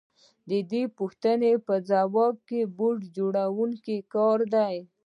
د دې پوښتنې ځواب د بوټ جوړونکي کار دی